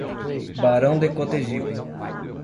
Barão de Cotegipe